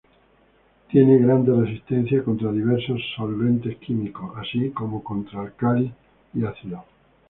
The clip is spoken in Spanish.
Tiene gran resistencia contra diversos solventes químicos, así como contra álcalis y ácidos.